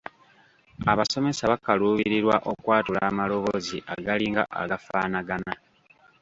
Abasomesa bakaluubirirwa okwatula amaloboozi agalinga agafaanagana.